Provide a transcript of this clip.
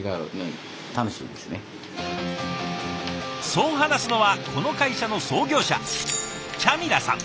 そう話すのはこの会社の創業者チャミラさん。